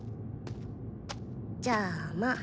じゃあまあ。